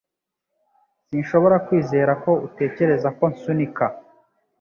Sinshobora kwizera ko utekereza ko nsunika